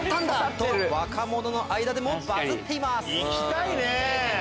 と若者の間でもバズっています。